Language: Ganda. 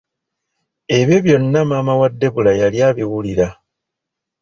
Ebyo byonna maama wa debula yali abiwulira.